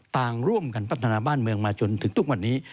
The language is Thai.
ต่างร่วมกันพัฒนาบ้านเมืองมาจนถึงทุกวันนี้